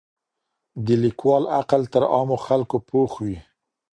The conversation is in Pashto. د ليکوال عقل تر عامو خلګو پوخ وي.